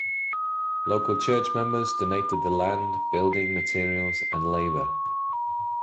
Local church members donated the land, building materials and labor.